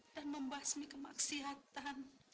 dan membasmi kemaksiatan